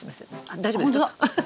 あ大丈夫ですか？